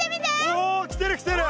おお来てる来てる！